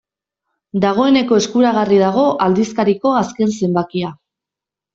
Dagoeneko eskuragarri dago aldizkariko azken zenbakia.